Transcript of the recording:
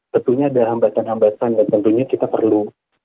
tentunya ada hambatan hambatan dan tentunya kita perlu